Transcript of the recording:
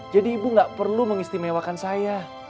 jadi ibu nggak perlu mengistimewakan saya